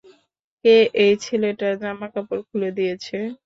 কে এই ছেলেটার জামাকাপড় খুলে দিয়েছে।